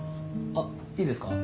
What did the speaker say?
あっいいですか？